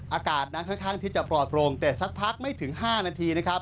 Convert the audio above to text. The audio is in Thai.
อากาศนั้นค่อนข้างที่จะปลอดโปร่งแต่สักพักไม่ถึง๕นาทีนะครับ